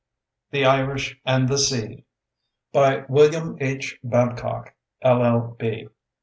THE IRISH AND THE SEA By WILLIAM H. BABCOCK, LL.B.